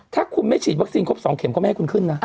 ถ้าคุณไม่ฉีดวัคซีนครบ๒เข็มก็ไม่ให้คุณขึ้นนะ